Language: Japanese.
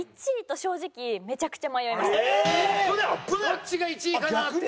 どっちが１位かなって。